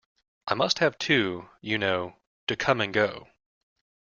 I must have two, you know—to come and go.